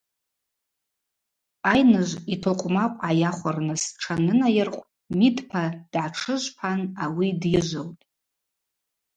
Айныжв йтокъвмакъв гӏайахвырныс тшанынайыркъв Мидпа дгӏатшыжвпан ауи дйыжвылтӏ.